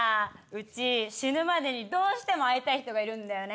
うち死ぬまでにどうしても会いたい人がいるんだよね。